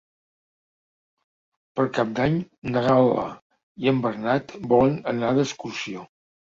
Per Cap d'Any na Gal·la i en Bernat volen anar d'excursió.